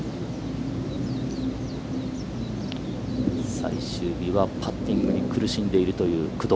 最終日はパッティングに苦しんでいるという工藤。